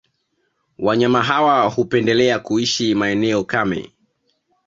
Wanyama hawa hupendelea kuishi maeneo kame